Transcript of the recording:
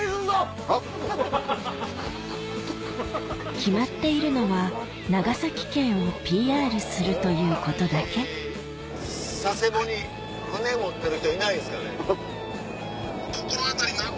決まっているのは長崎県をＰＲするということだけ佐世保に船持ってる人いないんですかね？